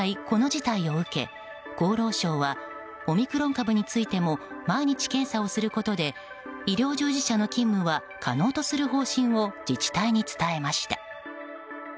この事態を受け厚労省はオミクロン株についても毎日検査をすることで医療従事者の勤務は可能とする方針を自治体に伝えました。